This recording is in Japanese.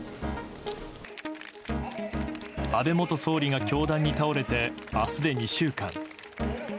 安倍元総理が凶弾に倒れて明日で２週間。